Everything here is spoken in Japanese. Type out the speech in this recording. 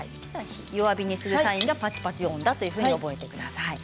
弱火にするサインがパチパチ音だと覚えてください。